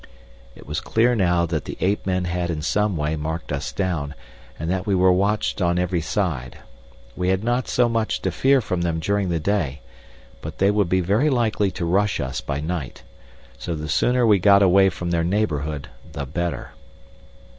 It was clear now that the ape men had in some way marked us down, and that we were watched on every side. We had not so much to fear from them during the day, but they would be very likely to rush us by night; so the sooner we got away from their neighborhood the better.